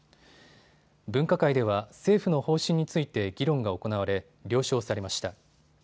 分科会では政府の方針について議論が行われ、了承されました。